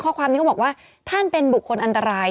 ข้อความนี้เขาบอกว่าท่านเป็นบุคคลอันตราย